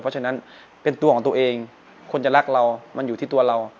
เพราะฉะนั้นเป็นตัวของตัวเองคนจะรักเรามันอยู่ที่ตัวเรา